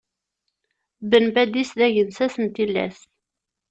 Ben Badis d agensas n tillas.